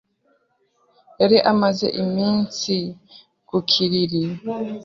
Yari amaze iminsi ku kiriri